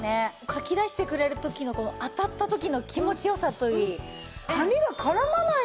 かき出してくれる時のこの当たった時の気持ち良さといい。